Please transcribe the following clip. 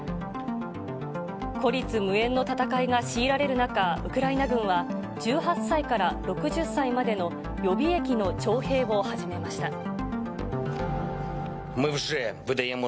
孤立無援の戦いが強いられる中、ウクライナ軍は１８歳から６０歳までの予備役の徴兵を始めました。